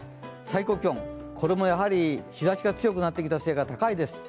最高気温、これもやはり日ざしが強くなってきたせいか高いです。